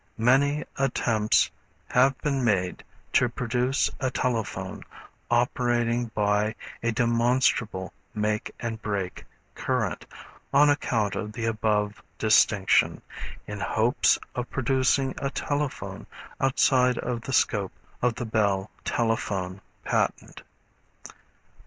Many attempts have been made to produce a telephone operating by a demonstrable make and break current, on account of the above distinction, in hopes of producing a telephone outside of the scope of the Bell telephone patent.